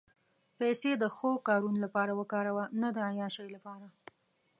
پېسې د ښو کارونو لپاره وکاروه، نه د عیاشۍ لپاره.